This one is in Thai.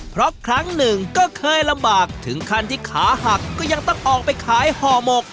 เพราะครั้งหนึ่งก็เคยลำบากถึงขั้นที่ขาหักก็ยังต้องออกไปขายห่อหมก